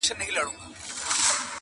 • هم لوېدلی یې له پامه د خپلوانو..